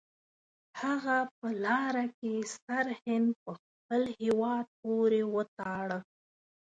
هغه په لاره کې سرهند په خپل هیواد پورې وتاړه.